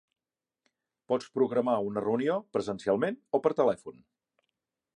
Pots programar una reunió presencialment o per telèfon.